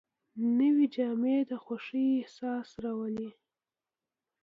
نوې جامې د خوښۍ احساس راولي